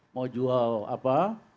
mau jual apa